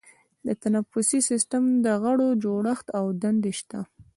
د تنفسي سیستم د غړو جوړښت او دندې شته.